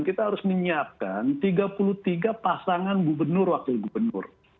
kita harus menyiapkan tiga puluh tiga pasangan gubernur wakil gubernur